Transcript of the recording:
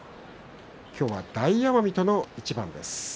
今日は大奄美との一番です。